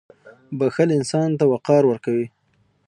• بښل انسان ته وقار ورکوي.